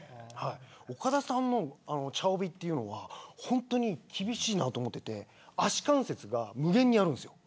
岡田さんの茶帯というのが本当に厳しいなと思っていて足関節が無限にあるんです。